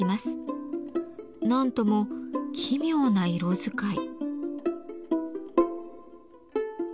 何とも奇妙な色使い。